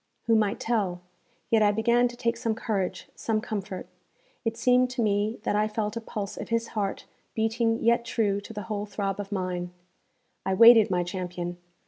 Who might tell? Yet I began to take some courage, some comfort. It seemed to me that I felt a pulse of his heart beating yet true to the whole throb of mine. I waited my champion.